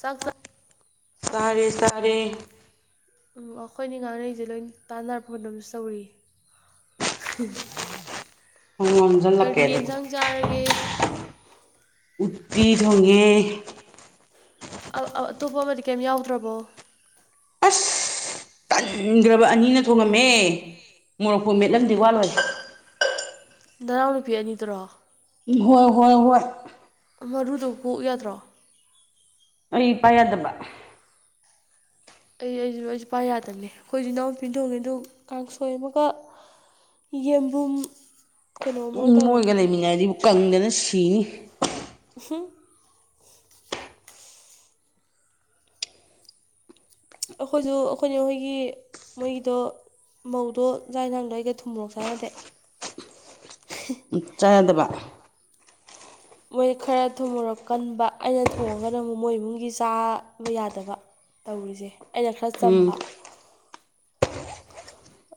ꯁꯁ ꯁꯔꯦ ꯁꯔꯦ ꯎ ꯑꯩꯈꯣꯏꯅꯤ ꯉꯥꯡꯅꯔꯤꯁꯦ ꯂꯣꯏ ꯇꯥꯟꯅꯔ ꯐꯣꯟ ꯑꯃꯁꯝꯨ ꯇꯧꯔꯤꯌꯦ ꯊꯣꯡ ꯂꯣꯝꯁꯤꯜꯂꯛꯀꯦ ꯀꯔꯤ ꯑꯗꯨꯗꯤ ꯌꯦꯟꯁꯥꯡ ꯆꯥꯔꯒꯦ ꯎꯇꯄꯤ ꯊꯣꯡꯉꯦ ꯑꯥ ꯑꯥ ꯑꯇꯣꯞꯄ ꯑꯃꯗꯤ ꯀꯩꯝ ꯌꯥꯎꯗ꯭ꯔꯕꯣ꯫ ꯇꯟꯒ꯭ꯥꯔꯕ ꯑꯅꯤꯅ ꯊꯣꯡꯉꯝꯃꯦ ꯃꯣꯔꯣꯛꯐꯨ ꯃꯦꯠꯂꯝꯗꯦ ꯋꯥ ꯂꯣꯏꯔꯦ꯫ ꯅꯅꯥꯎ ꯅꯨꯄꯤ ꯑꯅꯤꯗꯨꯔꯣ꯫ ꯍꯣꯏ ꯍꯣꯏ ꯍꯣꯏ꯫ ꯃꯔꯨꯗꯨ ꯀꯣꯛꯎ ꯌꯥꯗ꯭ꯔꯣ꯫ ꯑꯩ ꯄꯥꯏ ꯌꯥꯗꯕ꯫ ꯑꯩ ꯑꯩꯁꯤ ꯑꯩꯁꯨ ꯄꯥꯏ ꯌꯥꯗꯝꯅꯦ ꯑꯩꯈꯣꯏ ꯖꯨ ꯏꯅꯥꯎꯄꯤꯅ ꯊꯣꯡꯉꯦꯗꯨ ꯀꯥꯡꯁꯣꯏ ꯑꯃꯒ ꯌꯦꯝꯕꯨꯝ ꯎ ꯃꯣꯏꯒ ꯂꯩꯃꯤꯟꯅꯔꯗꯤ ꯀꯪꯗꯅ ꯁꯤꯅꯤ꯫ ꯍꯝ꯫ ꯑꯈꯣꯏꯁꯨ ꯑꯩꯈꯣꯏꯅꯦ ꯍꯣꯏꯒꯤ ꯃꯣꯏꯒꯤꯗꯣ ꯃꯧꯗꯣ ꯖꯥꯛ ꯍꯦꯟꯖꯥꯡꯗ ꯑꯩꯒ ꯊꯨꯝꯃꯣꯔꯣꯛ ꯆꯥꯅꯗꯦ ꯍꯤ꯫ ꯎꯝ ꯆꯥ ꯌꯥꯗꯕ ꯃꯣꯏ ꯈꯔ ꯊꯨꯝ ꯃꯣꯔꯣꯛ ꯀꯟꯕ ꯑꯩꯅ ꯊꯣꯡꯉꯒꯅ ꯑꯃꯨꯛ ꯃꯣꯏ ꯏꯃꯨꯡꯒꯤ ꯆꯥꯕ ꯌꯥꯗꯕ꯫ ꯇꯧꯔꯤꯁꯦ ꯑꯩꯅ ꯈꯔ ꯎꯝ ꯆꯝꯕ꯫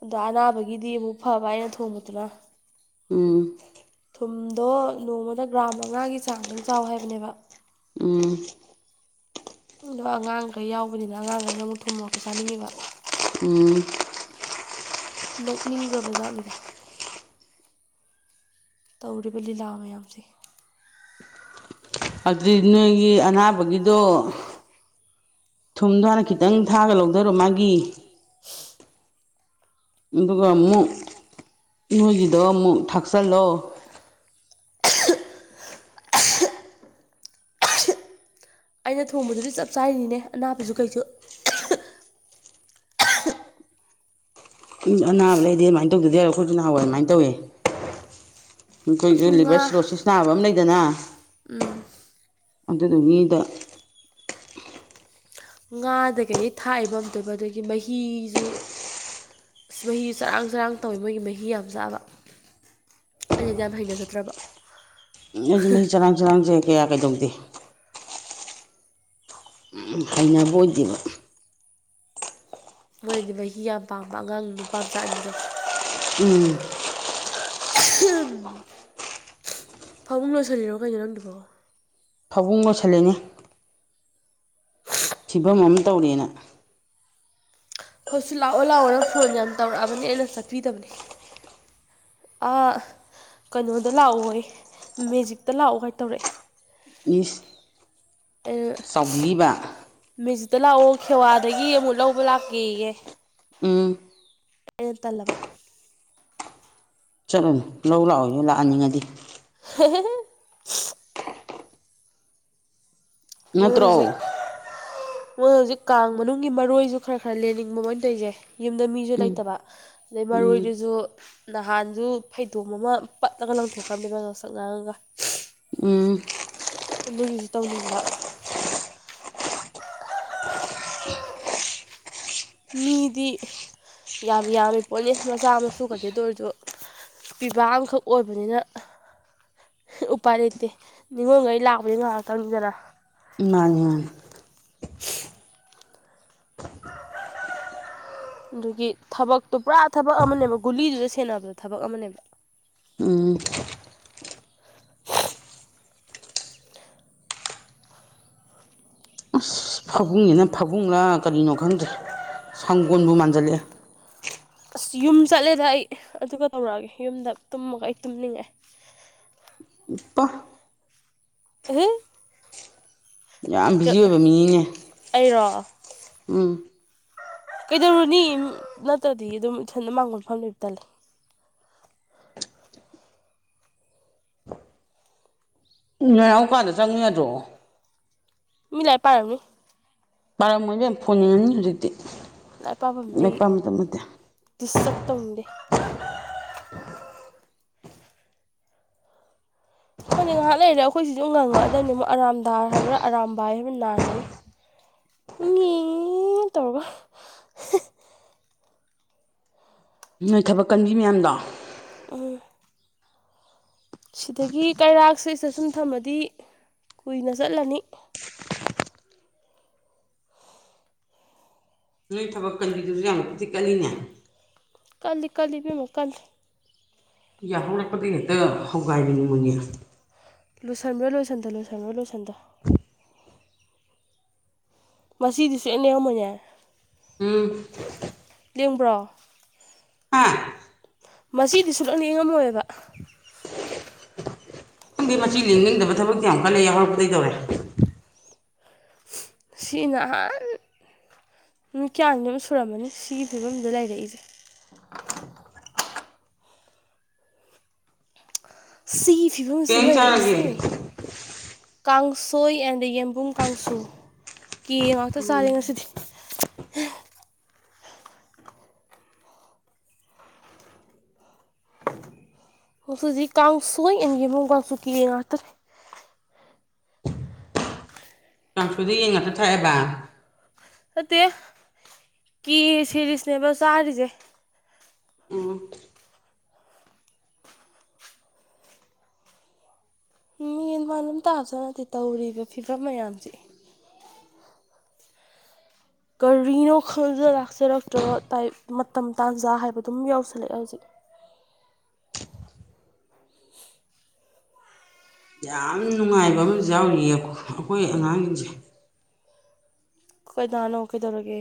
ꯑꯗ ꯑꯅꯥꯕꯒꯤꯗꯤ ꯑꯃꯨꯛ ꯐꯕ ꯑꯩꯅ ꯊꯣꯡꯕꯗꯨꯅ꯫ ꯎꯝ꯫ ꯊꯨꯝꯗꯣ ꯅꯣꯡꯃꯗ ꯒ꯭ꯔꯥꯝ ꯃꯉꯥꯒꯤ ꯆꯥꯡꯗꯪ ꯆꯥꯎ ꯍꯥꯏꯕꯅꯦꯕ꯫ ꯎꯝ꯫ ꯑꯗꯣ ꯑꯉꯥꯡꯈꯩ ꯌꯥꯎꯕꯅꯤꯅ ꯑꯉꯥꯡꯒꯩꯅ ꯑꯃꯨꯛ ꯊꯨꯝ ꯃꯔꯣꯛꯇꯣ ꯆꯥꯅꯤꯡꯉꯤꯕ꯫ ꯎꯝ ꯅꯣꯛꯅꯤꯡꯈ꯭ꯔꯕꯖꯥꯠꯅꯤꯗ꯫ ꯇꯧꯔꯤꯕ ꯂꯤꯂꯥ ꯃꯌꯥꯝꯁꯦ꯫ ꯑꯗꯨꯗꯤ ꯅꯣꯏꯒꯤ ꯑꯅꯥꯕꯒꯤꯗꯣ ꯊꯨꯝꯗꯣ ꯍꯥꯟꯅ ꯈꯤꯠ ꯇꯪ ꯊꯥꯑꯒ ꯂꯧꯗꯔꯣ ꯃꯥꯒꯤ ꯑꯗꯨꯒ ꯑꯃꯨꯛ ꯅꯣꯏꯒꯤꯗꯣ ꯑꯃꯨꯛ ꯊꯥꯛꯆꯜꯂꯣ꯫ ꯑꯩꯅ ꯊꯣꯡꯕꯗꯨꯗꯤ ꯆꯞ ꯆꯥꯔꯤꯅꯤꯅꯦ ꯑꯅꯥꯕꯁꯨ ꯀꯩꯖꯨ꯫ ꯎꯝ ꯑꯅꯥꯕ ꯂꯩꯗꯤ ꯑꯗꯨꯃꯥꯏꯅ ꯇꯧꯗ ꯌꯥꯔꯣ ꯑꯩꯈꯣꯏꯁꯨ ꯅꯍꯋꯥꯏ ꯑꯃꯥꯏꯅ ꯇꯧꯋꯦ꯫ ꯑꯩꯈꯣꯏꯒꯤꯖꯨ ꯉꯥ ꯂꯤꯚꯔ ꯁꯤꯔꯣꯁꯤꯁ ꯅꯥꯕ ꯑꯃ ꯂꯩꯗꯅ ꯎꯝ ꯑꯗꯨꯗꯨꯒꯤꯗ ꯉꯥꯗ ꯀꯩꯗꯒꯤ ꯊꯥꯛꯏꯕ ꯑꯝꯇꯑꯣꯏꯕ ꯑꯗꯒꯤ ꯃꯍꯤꯖꯨ ꯑꯁ ꯃꯍꯤꯁꯨ ꯆꯔꯥꯡ ꯆꯔꯥꯡ ꯇꯧꯋꯤ ꯃꯣꯏꯒꯤ ꯃꯍꯤ ꯌꯥꯝ ꯆꯥꯕ꯫ ꯑꯩꯅꯗꯤ ꯌꯥꯝ ꯍꯩꯅꯖꯗ꯭ꯔꯕ꯫ ꯑꯝ ꯑꯩꯁꯨ ꯃꯍꯤ ꯆꯔꯥꯡ ꯆꯔꯥꯡꯁꯦ ꯀꯌꯥ ꯀꯩꯗꯧꯗꯦ꯫ ꯍꯩꯅꯕ ꯑꯣꯏꯗꯦꯕ꯫ ꯃꯣꯏꯅꯗꯤ ꯃꯍꯤ ꯌꯥꯝ ꯄꯥꯝꯕ ꯑꯉꯥꯡ ꯅꯨꯄꯥꯝꯆꯥ ꯑꯅꯤꯗꯣ꯫ ꯎꯝ꯫ ꯑꯍꯝ꯫ ꯐꯃꯨꯡ ꯂꯣꯏꯁꯤꯜꯂꯤꯔꯣ ꯀꯩꯅꯣ ꯅꯪꯗꯨꯕꯣ꯫ ꯐꯕꯨꯡ ꯂꯣꯏꯁꯜꯂꯤꯅꯤ꯫ ꯐꯤꯕꯝ ꯑꯃ ꯇꯧꯔꯦꯅ ꯍꯧ ꯁꯤ ꯂꯥꯛꯑꯣ ꯂꯥꯛꯑꯣꯅ ꯐꯣꯟ ꯌꯥꯝ ꯇꯧꯔꯛꯑꯕꯅꯤ ꯑꯩꯅ ꯆꯠꯄꯤꯗꯕꯅꯦ ꯀꯩꯅꯣꯗ ꯂꯥꯛꯑꯣꯌꯦ ꯃꯦꯖꯤꯛꯇ ꯂꯥꯛꯑꯣꯒꯥꯏ ꯇꯧꯔꯛꯑꯦ ꯏꯁ ꯑꯩꯅꯥ ꯆꯥꯎꯕꯤꯔꯤꯕ ꯃꯦꯖꯤꯛꯇ ꯂꯥꯛꯑꯣ ꯈꯦꯋꯥꯗꯒꯤ ꯑꯃꯨꯛ ꯂꯧꯕ ꯂꯥꯛꯀꯦꯌꯦ ꯎꯝ ꯑꯩꯅꯥ ꯇꯜꯂꯕ꯫ ꯆꯠꯂꯨꯅꯨ ꯂꯧ ꯂꯥꯛꯑꯣꯌꯣ ꯂꯥꯛꯑꯟꯅꯤꯡꯉꯗꯤ꯫ ꯍꯦ ꯍꯦ ꯍꯦ꯫ ꯃꯣꯏ ꯅꯠꯇ꯭ꯔꯣ ꯍꯧꯖꯤꯛ ꯃꯣꯏ ꯍꯨꯖꯤꯛ ꯀꯥꯡ ꯃꯅꯨꯡꯒꯤ ꯃꯔꯣꯏꯖꯨ ꯈ꯭ꯔ ꯈ꯭ꯔ ꯂꯦꯟꯅꯤꯡꯕ ꯃꯣꯏꯅ ꯇꯣꯢꯖꯦ꯫ ꯌꯨꯝꯗ ꯃꯤꯖꯨ ꯎꯝ ꯂꯩꯇꯕ ꯑꯗꯩ ꯎꯝ ꯃꯔꯣꯏꯗꯨꯁꯨ ꯅꯍꯥꯟꯖꯨ ꯐꯩꯗꯣꯝ ꯑꯃ ꯄꯠꯂꯒ ꯂꯪꯊꯣꯛꯈ꯭ꯔꯕꯅꯦꯕ ꯉꯡꯁꯪ ꯉꯥꯡꯉꯒ꯫ ꯎꯝ꯫ ꯑꯗꯨꯒꯤꯁꯨ ꯇꯧꯅꯤꯡꯕ ꯃꯤꯗꯤ ꯌꯥꯝ ꯌꯥꯝꯃꯤ ꯄꯣꯠꯅꯤ ꯃꯆꯥ ꯃꯁꯨ ꯀꯗꯦꯗ ꯑꯣꯏꯔꯁꯨ ꯄꯤꯕꯥ ꯑꯃꯈꯛ ꯑꯣꯏꯕꯅꯤꯅ ꯎꯄꯥꯏ ꯂꯩꯇꯦ ꯅꯤꯉꯣꯟꯈꯩ ꯂꯥꯛꯄꯗꯤ ꯉꯥꯏꯍꯥꯛꯇꯪꯅꯤꯗꯅ ꯃꯥꯅꯤꯅꯤ [inaudible] ꯑꯗꯨꯒꯤ ꯊꯕꯛꯇꯣ ꯄꯨꯔꯥ ꯊꯕꯛ ꯑꯃꯅꯦꯕ ꯒꯨꯂꯤꯗꯨꯗ ꯁꯦꯟꯅꯕꯗ ꯊꯕꯛ ꯑꯃꯅꯦꯕ ꯎꯝ ꯑꯁ ꯐꯕꯨꯡꯁꯤꯅ ꯐꯕꯨꯡꯂꯥ ꯀꯔꯤꯅꯣ ꯈꯪꯗ꯭ꯔꯦ ꯁꯪꯒꯣꯜꯕꯨ ꯃꯥꯟꯖꯜꯂꯛꯑꯦ ꯑꯁ ꯌꯨꯝ ꯆꯠꯂꯦꯗ ꯑꯩ ꯑꯗꯨꯒ ꯇꯧꯔꯛꯑꯒꯦ ꯌꯨꯝꯗ ꯇꯨꯝꯃꯒ ꯑꯩ ꯇꯨꯝꯅꯤꯡꯉꯦ ꯄ [unintelligible] ꯌꯥꯝ ꯕꯤꯖꯤ ꯑꯣꯏꯕ ꯃꯤꯅꯤꯅꯦ ꯑꯩꯔꯣ ꯎꯝ ꯀꯩꯗꯧꯔꯨꯅꯤ ꯅꯠꯇ꯭ꯔꯗꯤ ꯑꯗꯨꯝ ꯏꯊꯟꯗ ꯃꯥꯡꯒꯣꯟ ꯐꯝ ꯂꯩꯕ ꯇꯥꯜꯂꯦ ꯎꯝ ꯅꯥꯅꯥꯎ ꯀꯥꯗ ꯆꯪꯉꯨ ꯌꯗ꯭ꯔꯣ ꯃꯤ ꯂꯥꯏꯔꯤꯛ ꯄꯔꯝꯅꯤ ꯃꯔꯝ ꯑꯣꯏꯕ ꯌꯥꯝ ꯐꯣꯟꯅꯤꯡꯉꯅꯤ ꯍꯧꯖꯤꯛꯇꯤ ꯂꯥꯏ ꯄꯥꯐꯝ ꯂꯥꯏꯔꯤꯛ ꯑꯩ ꯄꯥ ꯃꯇꯝ ꯅꯠꯇꯦ ꯗꯤꯁꯇꯔꯕ ꯇꯧꯅꯤꯡꯗꯦ ꯑꯩꯈꯣꯏꯗꯤ ꯉꯥꯏꯍꯥꯛ ꯂꯩꯔꯦ ꯑꯩꯈꯣꯏꯁꯤ ꯑꯗꯨꯝ ꯉꯪꯉꯛꯑꯗꯕꯅꯤ ꯑꯃꯨꯛ ꯑꯔꯥꯝꯗꯥꯔ ꯍꯥꯏꯕ꯭ꯔꯥ ꯑꯔꯥꯝꯕꯥꯏ ꯍꯥꯏꯕ ꯅꯥꯥꯟ ꯅꯣꯏꯒꯤ ꯃꯤ ꯇꯧꯒ ꯅꯣꯏ ꯊꯕꯛ ꯀꯟꯕꯤ ꯃꯌꯥꯝꯗꯣ ꯑ ꯁꯤꯗꯒꯤ ꯀꯩꯔꯥꯛꯁꯤꯗ ꯁꯨꯝ ꯊꯝꯃꯗꯤ ꯀꯨꯏꯅ ꯆꯠꯂꯅꯤ ꯅꯣꯏ ꯊꯕꯛ ꯀꯟꯒꯤꯗꯨꯁꯨ ꯌꯥꯝꯅ ꯀꯤꯊꯤꯛ ꯀꯠꯂꯤꯅꯦ ꯀꯜꯂꯤ ꯀꯜꯂꯤ ꯄꯦꯝꯃꯣ ꯀꯜꯂꯤ ꯌꯥꯍꯜꯂꯛꯄꯗ ꯍꯦꯛꯇ ꯍꯧꯒꯥꯏꯅꯤꯡꯅꯤꯡꯕꯅꯦ ꯂꯣꯏꯁꯤꯟ꯭ꯔꯣ ꯂꯣꯏꯁꯤꯟꯗ ꯂꯣꯏꯁꯤꯟꯕꯣ ꯂꯣꯏꯁꯤꯟꯗꯣ ꯃꯁꯤꯗꯤꯁꯨ ꯑꯩꯅ ꯌꯥꯝꯃꯉꯦ ꯎꯝ [inaudible] ꯂꯦꯝꯕ꯭ꯔꯣ ꯍꯥꯥ ꯃꯁꯤꯗꯤ ꯁꯨꯂꯞ ꯌꯦꯡꯉꯝꯃꯣꯏꯑꯕ ꯈꯪꯗꯤ ꯃꯁꯤ ꯂꯦꯡꯅꯤꯡꯗꯕ ꯊꯕ ꯀꯌꯥꯨꯛꯀ ꯂꯩꯦ ꯍꯧꯔꯛꯄꯗꯩ ꯇꯧꯔꯦ ꯁꯤꯅꯍꯜ ꯅꯨꯃꯤ ꯀꯌꯥꯅꯤ ꯑꯗꯨꯝ ꯁꯨꯔꯝꯃꯅꯤ ꯁꯤꯒꯤ ꯐꯤꯕꯝꯗ ꯂꯩꯔꯛꯏꯁꯦ ꯁꯤꯒꯤ ꯀꯩ ꯐꯤꯕꯝꯁꯤꯗ ꯏꯟꯖꯥꯡ ꯆꯥꯔꯒꯦ ꯂꯩꯔꯛꯏꯁꯦ ꯀꯥꯡꯁꯣꯏ ꯑꯦꯟ ꯗ ꯌꯦꯟꯕꯨꯝ ꯀꯥꯡꯁꯨ ꯀꯦ ꯉꯥꯛꯇ ꯆꯥꯔꯦ ꯉꯁꯤꯗꯤ ꯍꯧꯁꯤꯖꯤ ꯀ ꯀꯥꯡ ꯁ ꯃꯨꯒꯁꯨꯨꯀꯤ ꯉꯇ ꯀꯥꯡꯁꯨꯗ ꯌꯦꯡꯉꯇ ꯊꯥꯏꯑꯦꯕ ꯐꯠꯇꯦ ꯀꯦ ꯁꯦꯔꯤꯁꯅꯦꯕ ꯆꯥꯔꯤꯁꯦ ꯎꯝ ꯃꯤꯟ ꯃꯥꯟꯂꯝ ꯇꯥꯕꯁꯨ ꯅꯠꯇꯦ ꯇꯧꯔꯤꯕ ꯐꯤꯕꯝ ꯃꯌꯥꯝꯁꯦ ꯀꯔꯤꯅꯣ ꯈꯪꯖ ꯂꯥꯛꯆꯔꯛꯇ꯭ꯔꯕ ꯇꯥꯏꯞ ꯃꯇꯝ ꯇꯥꯟꯖꯥ ꯍꯥꯏꯕꯗꯨꯝ ꯌꯥꯎꯁꯜꯂꯛꯑꯦ ꯍꯧꯖꯤꯛ ꯌꯥꯝ ꯅꯨꯡꯉꯥꯏꯕ ꯑꯃꯁꯨ ꯌꯥꯎꯔꯤꯌꯦ ꯑꯩꯈꯣꯏ ꯑꯉꯥꯡꯁꯤꯡꯁꯦ ꯀꯅꯥꯅꯣ ꯀꯩꯗꯧꯔꯒꯦ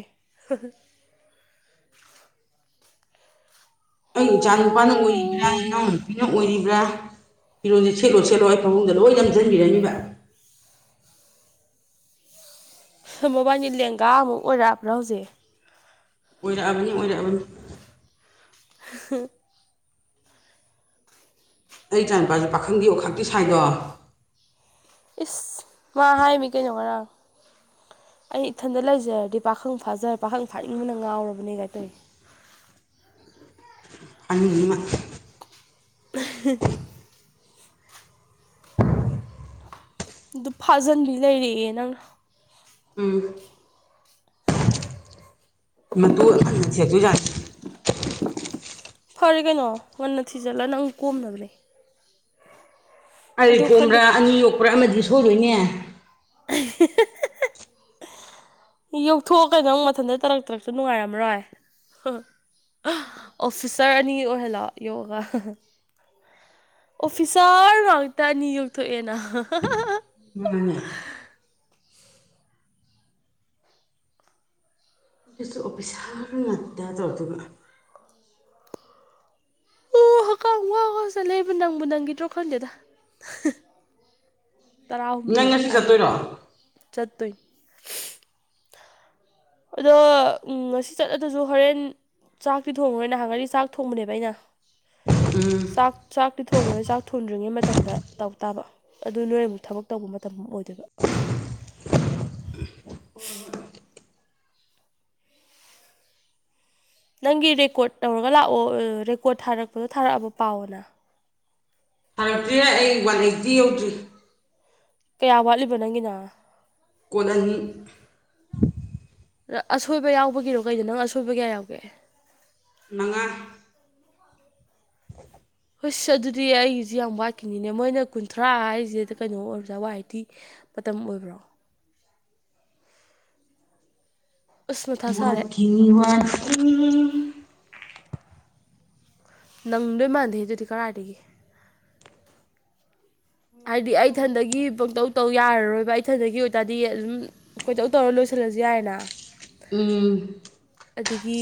ꯑꯩ ꯏꯆꯥ ꯅꯨꯄꯥꯅ ꯑꯣꯏꯔꯤꯕ꯭ꯔꯥ ꯏꯅꯥꯎ ꯅꯨꯨꯄꯤꯅ ꯑꯣꯏꯔꯤꯕ꯭ꯔꯥ ꯐꯤꯔꯣꯖꯤ ꯁꯦꯂꯣꯠ ꯁꯦꯠꯂꯣ ꯑꯩ ꯐꯥꯕꯨꯡꯗ ꯂꯣꯏ ꯅꯝꯁꯤꯟꯕꯤꯔꯅꯤꯕ ꯃꯕꯥꯏꯅꯤ ꯂꯦꯡꯒꯥ ꯑꯃꯨꯛ ꯑꯣꯏꯔꯛꯑꯕ꯭ꯔꯥ ꯍꯧꯖꯤꯛ ꯑꯣꯏꯔꯛꯑꯕꯅꯤ ꯑꯣꯏꯔꯛꯑꯕꯅꯤ [unintelligible] ꯑꯩ ꯏꯆꯥꯅꯤꯨꯄꯥꯁꯦ ꯄꯥꯈꯪꯗꯤ ꯑꯣꯈꯥꯛꯛꯇꯤ ꯁꯥꯏꯗꯣ ꯏꯁ ꯃꯥ ꯍꯥꯏꯃꯤ ꯀꯩꯅꯣ ꯉꯔꯥꯡ ꯑꯩ ꯏꯊꯟꯗ ꯂꯩꯖꯔꯗꯤ ꯄꯥꯈꯪ ꯐꯥꯖꯔ ꯄꯥꯈꯪ ꯐꯥꯅꯤꯡꯕꯅ ꯉꯥꯎꯔꯕꯅꯦ ꯀꯥꯏ ꯇꯧꯋꯤ ꯑꯅꯤꯃꯛ [unintelligible] ꯑꯗꯨ ꯐꯥꯖꯤꯟꯕꯤ ꯂꯩꯔꯛꯑꯦ ꯅꯪꯅ ꯎꯝ ꯃꯇꯨ ꯁꯦꯁꯨꯨ ꯌꯥꯏ ꯐꯔꯦ ꯀꯩꯅꯣ ꯉꯟꯅ ꯊꯤꯖꯤꯜꯂꯒ ꯅꯪ ꯀꯣꯝꯅꯕ꯭ꯔꯅꯦ ꯀꯔꯤ ꯈꯪꯗꯦ ꯀꯣꯝꯕ꯭ꯔꯥ ꯑꯅꯤ ꯌꯣꯛꯄ꯭ꯔꯥ ꯑꯃꯗꯤ ꯁꯣꯏꯗꯣꯏꯅꯦ [unintelligible] ꯌꯧꯊꯣꯛꯑ ꯀꯩꯅꯪꯨ ꯃꯊꯟꯇ ꯇꯔꯛ ꯇꯔꯛꯇ ꯅꯨꯡꯉꯥꯏꯔꯝꯃꯔꯣꯏ ꯑꯣꯐꯤꯁꯔ ꯑꯅꯤ ꯑꯣꯏꯍꯜꯂꯣꯑꯣ ꯌꯣꯒ ꯑꯣꯐꯤꯁꯥꯔ ꯉꯥꯛꯇ ꯑꯅꯤ ꯌꯧꯣꯛꯊꯣꯛꯑꯦꯅ ꯎ ꯑꯗꯨꯁꯨ ꯑꯣꯐꯤꯁꯥꯔ ꯉꯥꯛꯇ ꯇꯧꯔ ꯑꯗꯨꯒꯒ ꯑꯣ ꯍꯛꯀꯥꯝ ꯋꯥ ꯋꯥ ꯆꯠꯂꯦꯕ ꯅꯪꯕꯨ ꯅꯪꯒꯤꯗ꯭ꯔꯣ ꯈꯪꯗꯦꯗ ꯅꯪ ꯇꯔꯥꯍꯨꯝꯗꯣꯏꯔꯛ ꯉꯁꯤ ꯍꯥꯏꯁꯦ ꯆꯠꯇꯣꯏꯔꯣ ꯆꯠꯇꯣꯏꯅꯤ ꯑꯗꯣ ꯎ ꯉꯁꯤ ꯆꯠꯂꯗꯁꯨ ꯍꯣꯔꯦꯟ ꯆꯥꯛꯇꯤ ꯊꯣꯡꯉ꯭ꯔꯣꯏ ꯅꯥꯍꯟꯒꯩ ꯆꯥꯛ ꯊꯣꯡꯕꯅꯦꯕ ꯑꯩꯅ ꯎꯝ ꯆꯥꯛ ꯆꯥꯛꯇꯤ ꯊꯣꯡꯉ꯭ꯔꯣꯏ ꯆꯥꯛ ꯊꯣꯡꯗ꯭ꯔꯤꯉꯩ ꯃꯇꯝꯗ ꯇꯧ ꯇꯥꯕ ꯑꯗꯨ ꯅꯣꯏ ꯑꯃꯨꯛ ꯊꯕꯛ ꯇꯧꯕ ꯃꯇꯝ ꯑꯣꯏꯗꯣꯏꯕ ꯅꯪꯒꯤ ꯔꯦꯀꯣꯔꯠ ꯇꯧꯔꯒ ꯂꯥꯛꯑꯣ ꯔꯦꯀꯣꯔꯠ ꯊꯥꯔꯛꯄꯗꯣ ꯊꯥꯔꯛꯑꯕ ꯄꯥꯎꯅ ꯊꯥꯔꯛꯇ꯭ꯔꯤꯔꯦ ꯑꯩ ꯋꯥꯟ ꯑꯩꯇꯤ ꯌꯧꯗ꯭ꯔꯤ ꯀꯌꯥ ꯋꯥꯠꯂꯤꯕ ꯅꯪꯒꯤꯅ ꯀꯣꯟ ꯑꯅꯤ ꯑꯁꯣꯏꯕ ꯌꯥꯎꯕꯒꯤꯔꯣ ꯀꯩꯗꯣ ꯅꯪ ꯑꯁꯣꯏꯕ ꯀꯌꯥ ꯌꯥꯎꯒꯦ ꯃꯉꯥ [unintelligible] ꯑꯁ ꯑꯗꯨꯗꯤ ꯑꯩꯒꯤꯁꯦ ꯌꯥꯝ ꯋꯥꯠꯀꯤꯅꯤꯅꯦ ꯃꯣꯏꯅ ꯀꯨꯟꯊ꯭ꯔꯥ ꯍꯥꯏꯔꯤꯁꯦꯗ ꯀꯩꯅꯣ ꯑꯣꯏꯔꯖꯥ ꯋꯥ ꯍꯥꯏꯇꯤ ꯃꯇꯝ ꯑꯣꯏꯕ꯭ꯔꯣ ꯑꯁ ꯃꯊꯥ ꯁꯥꯔꯦ ꯋꯥꯠꯈꯤꯅꯤ ꯋꯥꯠꯈꯤꯅꯤ ꯅꯪ ꯂꯣꯏ ꯃꯥꯟꯗꯦ ꯑꯗꯨꯗꯤ ꯀꯔꯥꯏꯗꯒꯤ ꯍꯥꯏꯗꯤ ꯑꯩꯊꯟꯗꯒꯤ ꯄꯪꯇꯧ ꯇꯧ ꯌꯥꯔꯔꯣꯏꯕ ꯏꯊꯟꯗꯒꯤ ꯑꯣꯏꯇꯥꯔꯗꯤ ꯑꯗꯨꯝ ꯀꯣꯏꯇꯧ ꯇꯧꯔ ꯂꯣꯏꯁꯤꯜꯂꯁꯨ ꯌꯥꯏꯦꯅ ꯎꯝ ꯑꯗꯒꯤ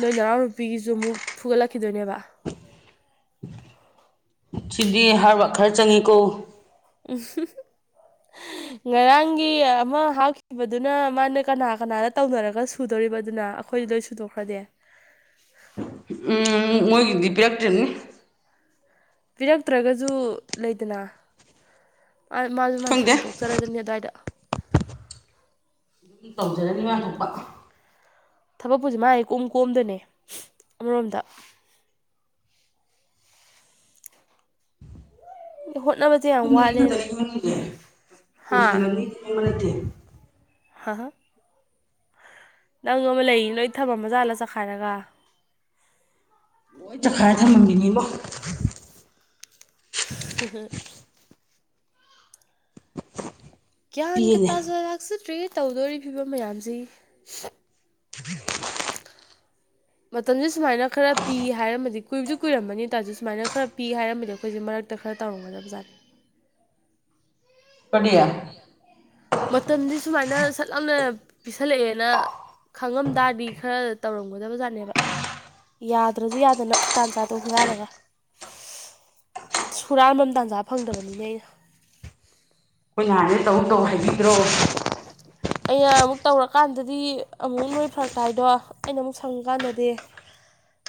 ꯅꯣꯏ ꯅꯔꯎꯅꯨꯄꯤꯒꯤꯁꯨ ꯑꯃꯨꯛ ꯐꯨꯒꯠꯂꯛꯈꯤꯗꯣꯏꯅꯦꯕ ꯁꯤꯗꯤ ꯍꯥꯏꯔꯕ ꯈꯔ ꯆꯪꯉꯤꯀꯣ ꯎꯝ ꯉꯔꯥꯡꯒꯤ ꯑꯃ ꯍꯥꯞꯈꯤꯕꯗꯨꯅ ꯃꯥꯅ ꯀꯅꯥ ꯀꯅꯥꯗ ꯇꯧꯅꯔꯒ ꯁꯨꯗꯣꯔꯤꯕ ꯑꯗꯨꯅ ꯑꯩꯈꯣꯏꯗꯤ ꯂꯣꯏ ꯁꯤꯟꯗꯣꯛ ꯈꯔꯗꯤ ꯎꯝ ꯃꯣꯏꯒꯤꯗꯤ ꯄꯤꯔꯛꯇꯔꯤꯕꯅꯤ ꯄꯤꯔꯛꯇ꯭ꯔꯒꯁꯨ ꯂꯩꯗꯅ ꯃꯥꯁꯨ ꯃꯥꯥꯏ ꯈꯪꯗꯦ ꯁꯟꯗꯣꯛꯆꯔꯗꯅꯤ ꯑꯗꯨꯋꯥꯏꯗ ꯑꯗꯨꯝ ꯇꯧꯖꯔꯅꯤ ꯃꯅꯥ ꯊꯣꯛꯄꯥ ꯊꯕꯛꯄꯨꯁꯦ ꯃꯅꯥ ꯏ ꯀꯣꯝ ꯀꯣꯝꯗꯅꯦ ꯑꯃꯔꯣꯝꯗ ꯍꯣꯠꯅꯥ ꯑꯗꯨ ꯑꯃ ꯈꯛꯇꯪꯪꯅꯤꯡꯒꯦ ꯍꯥ ꯂꯣꯏꯁꯜꯂꯝꯅꯤꯗꯤꯕ ꯅꯠꯇꯦ ꯍꯥ ꯍꯥ ꯅꯪ ꯅꯣꯡꯃ ꯂꯩꯔꯤ ꯅꯣꯏ ꯊꯃꯝꯃꯖꯠꯂꯥ ꯆꯠꯈꯥꯏꯔꯒ ꯂꯣꯏ ꯆꯈꯥꯏꯔ ꯊꯝꯃꯝꯃꯤꯅꯤꯕꯣ [unintelligible] ꯒ꯭ꯌꯥꯟꯒ ꯄꯤꯅꯦ ꯇꯥꯖ ꯂꯥꯛꯆꯗ꯭ꯔꯦ ꯇꯧꯗꯣꯔꯤ ꯐꯤꯕꯝ ꯃꯌꯥꯝꯁꯤꯦ [unintelligible] [inaudible] ꯃꯇꯝꯁꯦ ꯁꯨꯃꯥꯏꯅ ꯈꯔ ꯄꯤ ꯍꯥꯏꯔꯃꯗꯤ ꯀꯨꯏꯕꯁꯨ ꯀꯨꯏꯔꯝꯃꯅꯤ ꯇꯥꯔꯁꯨ ꯁꯨꯃꯥꯏꯅ ꯈꯔ ꯄꯤ ꯍꯥꯏꯔꯃꯗꯤ ꯑꯩꯈꯣꯏꯁꯦ ꯃꯔꯛ ꯈꯔꯥ ꯇꯧꯔꯝꯒꯗꯕꯖꯥꯠꯅꯤ [unintelligible] ꯃꯇꯝꯗꯤ ꯁꯨꯃꯥꯏꯅ ꯁꯠ ꯂꯥꯞꯅ ꯄꯤꯁꯜꯂꯛꯑꯦꯅ ꯈꯪꯉꯝꯗꯥꯔꯗꯤ ꯈꯔ ꯇꯧꯔꯝꯒꯗꯕꯖꯥꯠꯅꯦꯕ ꯌꯥꯗ꯭ꯔꯁꯨ ꯌꯥꯗꯅ ꯇꯥꯟ ꯆꯥꯗꯣ ꯍꯨꯔꯥꯜꯂꯒ ꯍꯨꯔꯥꯟ ꯃꯝ ꯇꯥꯟꯖꯥ ꯐꯪꯗꯕꯅꯤꯅꯦ ꯑꯩꯅ ꯑꯩꯈꯣꯏ ꯅꯍꯥꯟꯅ ꯇꯧ ꯇꯧ ꯍꯥꯏꯕꯤꯈ꯭ꯔꯣ [inaudible] ꯑꯩꯅ ꯑꯃꯨꯛ ꯇꯧꯔꯀꯥꯟꯗꯗꯤ ꯑꯃꯨꯛ ꯅꯣꯏ ꯐꯔꯛ ꯇꯥꯏꯗꯣ ꯑꯩꯅ ꯑꯃꯨꯛ ꯁꯪꯀꯥꯟꯗꯗꯤ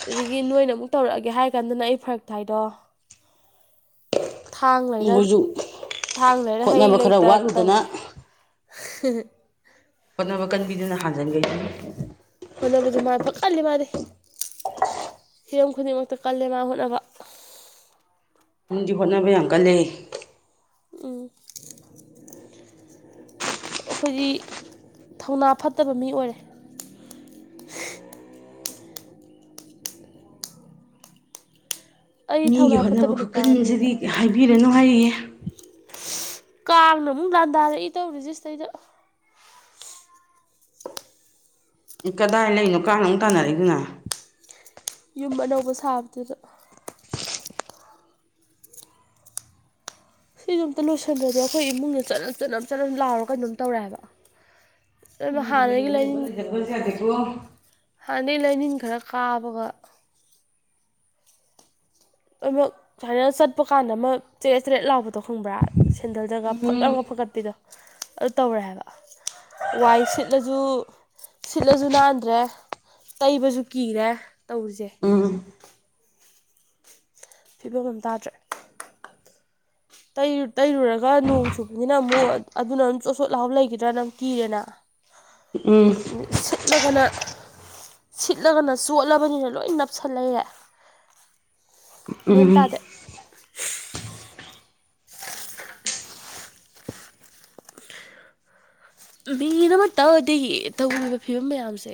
ꯑꯗꯨꯗꯒꯤ ꯅꯣꯏꯅ ꯑꯃꯨꯛ ꯇꯧꯔꯛꯑꯒꯦ ꯍꯥꯏꯔ ꯀꯥꯟꯗꯅ ꯑꯩ ꯐꯔꯛ ꯇꯥꯏꯗꯣ ꯊꯥꯡ ꯂꯩꯔ ꯃꯣꯏꯁꯨ ꯊꯥꯡ ꯂꯩꯔ ꯍꯩ ꯍꯣꯠꯅꯕ ꯈꯔ ꯂꯩꯇ ꯇꯧꯔꯦ ꯋꯥꯠꯂꯨꯗꯅ ꯍꯣꯠꯅꯕ ꯀꯟꯕꯤꯗꯨꯅ ꯍꯥꯟꯖꯤꯟꯈꯤꯖꯅꯤ ꯍꯣꯠꯅꯕꯁꯦ ꯃꯥ ꯐꯥꯀꯜꯂꯤ ꯃꯥꯗꯤ ꯍꯤꯔꯝ ꯈꯨꯗꯤꯡꯃꯛꯇ ꯀꯜꯂꯦ ꯃꯥ ꯍꯣꯠꯅꯕ ꯃꯤꯗꯤ ꯍꯣꯠꯅꯕ ꯌꯥꯝ ꯀꯜꯂꯦ ꯎꯝ ꯑꯩꯈꯣꯏꯗꯤ ꯊꯧꯅꯥ ꯐꯠꯇꯕ ꯃꯤ ꯑꯣꯏꯔꯦ ꯑꯩ ꯃꯤꯒꯤ ꯊꯧꯅꯥ ꯐꯠꯇꯕ ꯍꯣꯠꯅꯕ ꯅꯨꯄꯥꯅꯦꯅ ꯈꯨꯀꯟꯁꯤꯗꯤ ꯍꯥꯏꯕꯤꯔꯅꯨ ꯍꯥꯏꯔꯤꯌꯦ ꯀꯥꯡꯅ ꯑꯃꯨꯛ ꯂꯥꯟꯗꯥꯔꯛꯏ ꯇꯧꯔꯤꯁꯦ ꯁꯤꯗꯩꯗ ꯎꯝ ꯀꯗꯥꯏ ꯂꯩꯔꯤꯅꯣ ꯀꯥꯡꯅ ꯑꯃꯨꯛ ꯇꯥꯟꯅꯔꯛꯏꯗꯨꯅ ꯌꯨꯝ ꯑꯅꯧꯕ ꯁꯥꯕꯗꯨꯗ ꯁꯤꯁꯨ ꯑꯝꯇ ꯂꯣꯏꯁꯤꯟꯗ꯭ꯔꯗꯤ ꯑꯩꯈꯣꯏ ꯏꯃꯨꯡꯁꯦ ꯆꯥꯅꯞ ꯆꯥꯅꯞ ꯆꯥꯅꯞ ꯂꯥꯎꯔꯒ ꯀꯩꯅꯣꯝ ꯇꯧꯔꯦ ꯍꯥꯏꯕ ꯃꯤꯗꯤ ꯍꯥꯅꯒꯤ ꯃꯌꯨꯝ ꯑꯅꯧꯕ ꯂꯩꯅꯤꯟ [unintelligible] ꯍꯥꯟꯅꯗꯩ ꯂꯩꯅꯤꯟ ꯈꯥꯔ ꯀꯥꯕꯒ ꯑꯃꯨꯔꯛ ꯁꯨꯃꯥꯏꯅ ꯆꯠꯄ ꯀꯥꯟꯗ ꯑꯃ ꯆꯦꯔꯦꯠ ꯆꯦꯔꯦꯠ ꯂꯥꯎꯕꯗꯣ ꯈꯪꯕ꯭ꯔꯥ ꯁꯦꯟꯗꯜꯗꯒ ꯐꯛ ꯐꯛ ꯎꯝ ꯂꯥꯎꯅ ꯐꯀꯠꯄꯤꯗꯣ ꯑꯗꯨ ꯇꯧꯔꯦ ꯍꯥꯏꯕ ꯋꯥꯏ ꯁꯤꯠꯂꯁꯨ ꯁꯤꯠꯂꯁꯨ ꯅꯥꯟꯗ꯭ꯔꯦ ꯇꯩꯕꯁꯨ ꯀꯤꯔꯦ ꯇꯧꯔꯤꯁꯦ ꯎꯝ ꯐꯤꯕꯝ ꯑꯃ ꯇꯥꯗ꯭ꯔꯦ ꯇꯩꯔꯨꯔꯒ ꯅꯣꯡ ꯆꯨꯕꯅꯤꯅ ꯑꯃꯨꯛ ꯑꯗꯨꯅ ꯆꯣꯠ ꯆꯣꯠ ꯂꯥꯎꯔ ꯂꯩꯒꯤꯗ꯭ꯔꯥꯅ ꯀꯤꯔꯦꯅ ꯎꯝ [unintelligible] ꯁꯤꯠꯂꯒꯅ ꯁꯤꯠꯂꯒꯅ ꯆꯣꯠꯂꯕꯅꯤꯅ ꯂꯣꯏ ꯅꯞꯁꯜ ꯂꯩꯔꯦ ꯃꯦꯟ ꯎꯝ ꯇꯥꯗꯦ ꯃꯦꯟ ꯑꯃ ꯇꯥꯗꯦ ꯇꯧꯔꯤꯕ ꯐꯤꯕꯝ ꯃꯌꯥꯝꯁꯦ